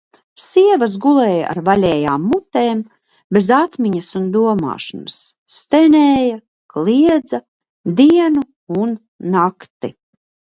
Sievas gulēja ar vaļējām mutēm, bez atmiņas un domāšanas, stenēja, kliedza dienu un nakti.